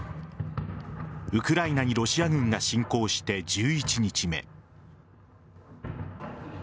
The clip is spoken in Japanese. ウクライナにロシア軍が侵攻して１１日目。